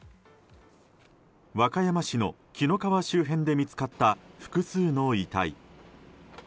和歌山市の紀の川周辺で見つかった複数の遺体。